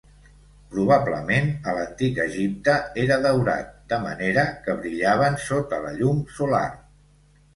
Probablement, a l'antic Egipte era daurat, de manera que brillaven sota la llum solar.